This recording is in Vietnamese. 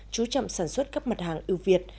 chú trọng sản xuất các mặt hàng ưu việt